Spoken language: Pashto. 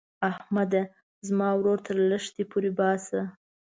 احمده؛ زما ورور تر لښتي پورې باسه.